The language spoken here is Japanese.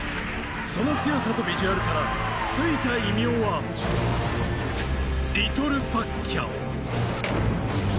その強さとビジュアルからついた異名はリトル・パッキャオ。